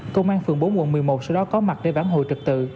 công an phường bốn quận một mươi một sau đó có mặt để vãn hồi trật tự